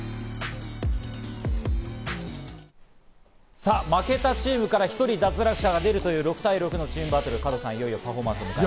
さあ、負けたチームから１人脱落者が出るという６対６のチームバトル、いよいよ佳境ですね。